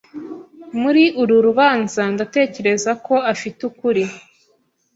Muri uru rubanza, ndatekereza ko afite ukuri.